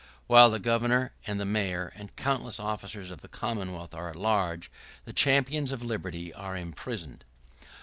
While the Governor, and the Mayor, and countless officers of the Commonwealth are at large, the champions of liberty are imprisoned.